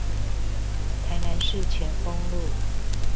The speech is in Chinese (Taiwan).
台南市前鋒路